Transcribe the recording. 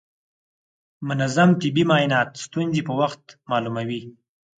منظم طبي معاینات ستونزې په وخت کې معلوموي.